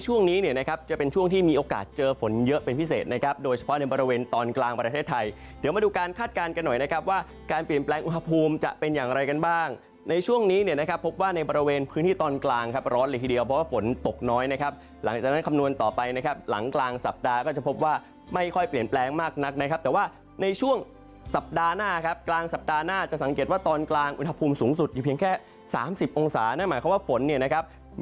ช่วงนี้เนี่ยนะครับจะเป็นช่วงที่มีโอกาสเจอฝนเยอะเป็นพิเศษนะครับโดยเฉพาะในบริเวณตอนกลางประเทศไทยเดี๋ยวมาดูการคาดการณ์กันหน่อยนะครับว่าการเปลี่ยนแปลงอุณหภูมิจะเป็นอย่างไรกันบ้างในช่วงนี้เนี่ยนะครับพบว่าในบริเวณพื้นที่ตอนกลางครับร้อนเลยทีเดียวเพราะฝนตกน้อยนะครับหลังจาก